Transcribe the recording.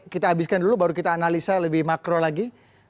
kita habiskan dulu baru kita analisa lebih makro lagi